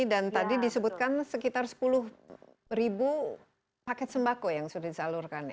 dan tadi disebutkan sekitar sepuluh paket sembako yang sudah disalurkan ya